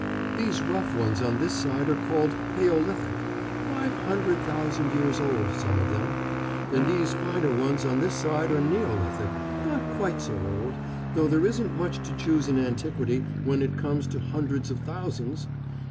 These rough ones on this side are called Palæolithic five hundred thousand years old, some of them; and these finer ones on this side are Neolithic, not quite so old though there isn't much to choose in antiquity when it comes to hundreds of thousands!